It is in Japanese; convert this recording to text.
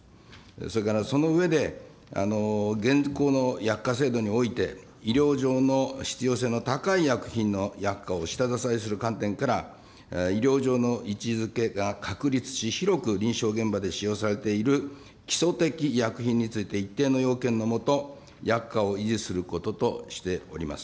それからその上で、現行の薬価制度において、医療上の必要性の高い薬品の薬価を下支えする観点から、医療上の位置づけが確立し、広く臨床現場で使用されている基礎的医薬品について、一定の要件の下、薬価を維持することとしております。